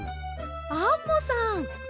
アンモさん！